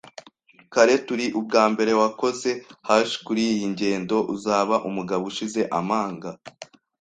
kare, turi. Ubwa mbere, wakoze hash kuriyi ngendo - uzaba umugabo ushize amanga